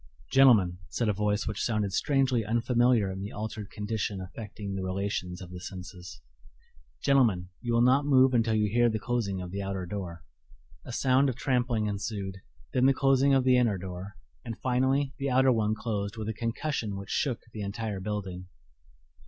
"Gentlemen," said a voice which sounded strangely unfamiliar in the altered condition affecting the relations of the senses "gentlemen, you will not move until you hear the closing of the outer door." A sound of trampling ensued, then the closing of the inner door; and finally the outer one closed with a concussion which shook the entire building.